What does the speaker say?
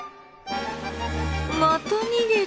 また逃げた。